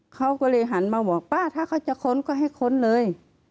เขาก็เลยหันมาบอกป้าถ้าเขาจะค้นก็ให้ค้นเลย